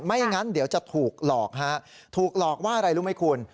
ไม่งั้นเดี๋ยวจะถูกหลอกฮะถูกหลอกว่าอะไรรู้ไหมคุณ